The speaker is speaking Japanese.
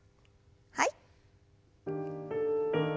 はい。